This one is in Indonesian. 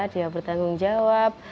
dia bertanggung jawab